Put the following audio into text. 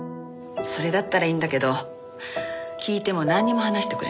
それだったらいいんだけど聞いてもなんにも話してくれないし。